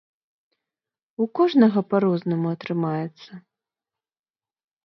У кожнага па-рознаму атрымаецца.